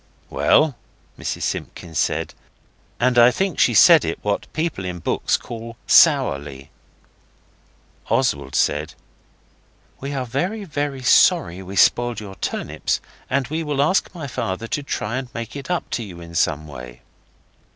'Well?' Mrs Simpkins said, and I think she said it what people in books call 'sourly'. Oswald said, 'We are very, very sorry we spoiled your turnips, and we will ask my father to try and make it up to you some other way.